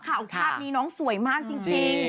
ภาพนี้น้องสวยมากจริง